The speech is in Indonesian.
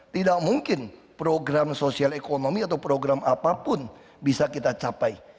tidak mungkin program sosial ekonomi atau program apapun bisa kita capai